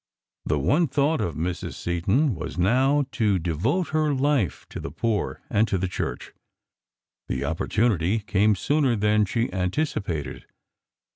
The one thought of Mrs. Seton was now to devote her life to the poor and to the Church. The opportunity came sooner than she anticipated.